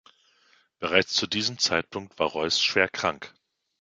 Bereits zu diesem Zeitpunkt war Royce schwer krank.